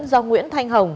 do nguyễn thanh hồng